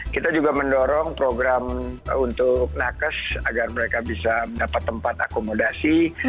kita juga mendorong program untuk nakes agar mereka bisa mendapat tempat akomodasi